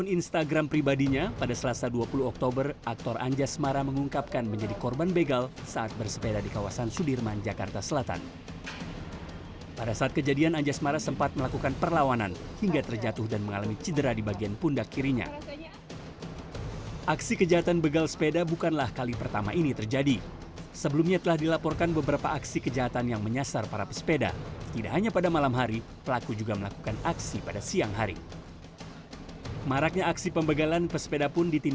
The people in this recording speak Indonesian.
ini ya sedikit banyak akan menghambat